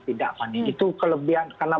tidak fani itu kelebihan karena